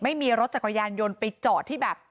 ไม่มีรถจักรยานยนต์ไปจอดที่แบบ